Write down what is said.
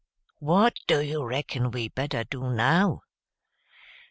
What do you reckon we better do, now?"